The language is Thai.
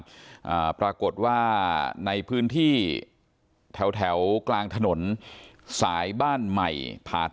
อ่าปรากฏว่าในพื้นที่แถวแถวแถวกลางถนนสายบ้านใหม่ผา